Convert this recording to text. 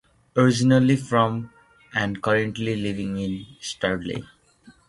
Originally from and currently living in Studley.